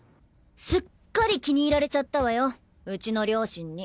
すっかり気に入られちゃったわようちの両親に。